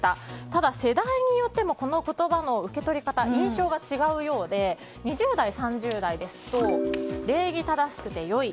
ただ、世代によってもこの言葉の受け取り方印象が違うようで２０代、３０代ですと礼儀正しくて良い。